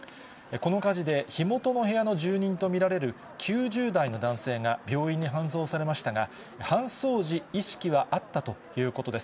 この火事で火元の部屋の住人と見られる９０代の男性が、病院に搬送されましたが、搬送時、意識はあったということです。